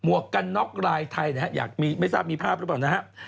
วกกันน็อกรายไทยนะฮะอยากมีไม่ทราบมีภาพหรือเปล่านะฮะ